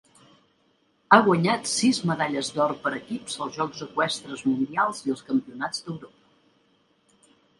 Ha guanyat sis medalles d'or per equips als Jocs Eqüestres Mundials i als Campionats d'Europa.